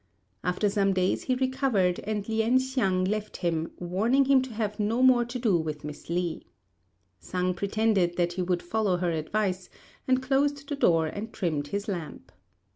After some days he recovered and Lien hsiang left him, warning him to have no more to do with Miss Li. Sang pretended that he would follow her advice, and closed the door and trimmed his lamp.